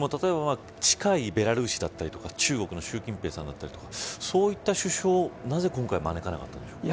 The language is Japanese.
例えば近いベラルーシや中国の習近平さんだったりそういった首相をなぜ今回招かなかったんでしょうか。